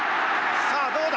さあどうだ？